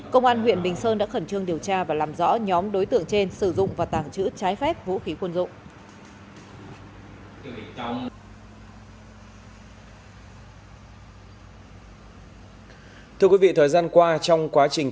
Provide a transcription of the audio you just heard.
công an huyện bình sơn đã khẩn trương điều tra và làm rõ nhóm đối tượng trên sử dụng và tàng trữ trái phép vũ khí quân dụng